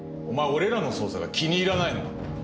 俺らの捜査が気に入らないのか？